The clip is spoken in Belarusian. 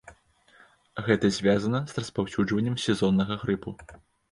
Гэта звязана з распаўсюджваннем сезоннага грыпу.